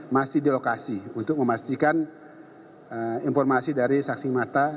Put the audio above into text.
masih di lokasi untuk memastikan informasi dari saksi mata